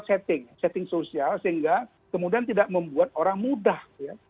setting sosial sehingga kemudian tidak membuat orang mudah